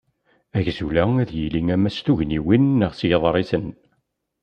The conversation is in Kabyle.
Agzul-a ad yili ama s tugniwin, neɣ s yiḍrisen.